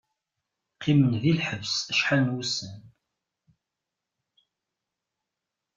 Qqimen di lḥebs acḥal n wussan.